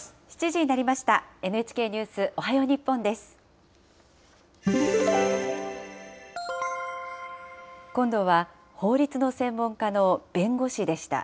７時になりました。